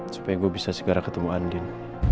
supaya gue bisa segera ketemu andin